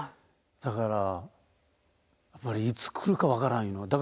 だからやっぱりいつ来るか分からんいうの。